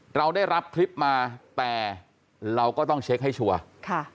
เราได้รับคลิปมาแต่เราก็ต้องเช็คให้ชัวร์ค่ะ